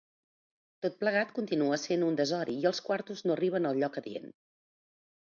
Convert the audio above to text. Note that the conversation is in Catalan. Tot plegat, continua essent un desori i els quartos no arriben al lloc adient.